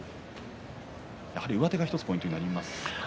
やはり上手が１つポイントになりますか？